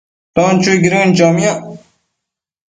aton chuiquidën chomiac